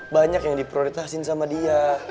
banyak yang diprioritasin sama dia